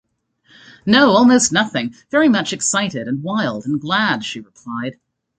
'No, almost nothing — very much excited, and wild, and glad!’ she replied.